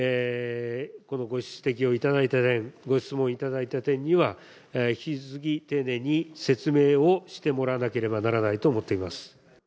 このご指摘を頂いた点、ご質問頂いた点には、引き続き丁寧に説明をしてもらわなければならないと思っています。